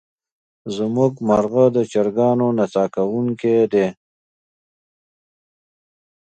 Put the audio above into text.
زمونږ مرغه د چرګانو نڅا کوونکې دی.